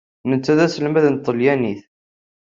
Netta d aselmad n tṭalyanit.